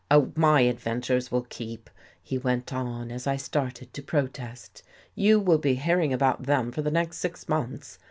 Oh, my ad ventures will keep," he went on, as I started to pro test. " You will be hearing about them for the next six months.